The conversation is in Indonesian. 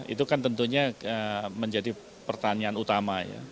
itu kan tentunya menjadi pertanyaan utama ya